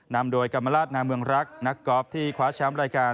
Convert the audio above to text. นำโดยกรรมราชนาเมืองรักนักกอล์ฟที่คว้าแชมป์รายการ